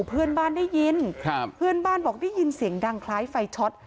เพื่อนบ้านได้ยินครับเพื่อนบ้านบอกได้ยินเสียงดังคล้ายไฟช็อต